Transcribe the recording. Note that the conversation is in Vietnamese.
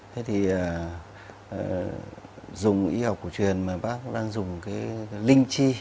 thế thì dùng y học cổ truyền mà bác đang dùng cái linh chi